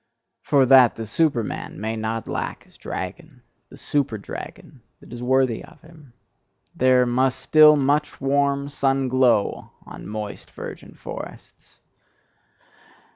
For that the Superman may not lack his dragon, the superdragon that is worthy of him, there must still much warm sun glow on moist virgin forests!